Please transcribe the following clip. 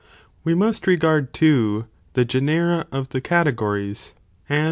379 / We must regard too, the genera of the categories, ° 9.